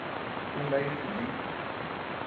Uu bea yuchmee.